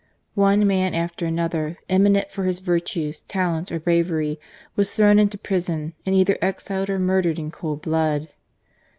One man after another, eminent for his virtues, talents, or bravery, was thrown into prison and either exiled or murdered in cold blood.